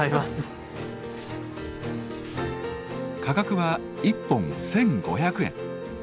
価格は１本１，５００円。